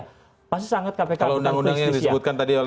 kalau undang undang yang disebutkan tadi